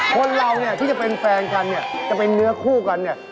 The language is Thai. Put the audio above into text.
คนเราเนี่ยที่จะเป็นแฟนกันเนี่ยจะเป็นเนื้อคู่กันเนี่ย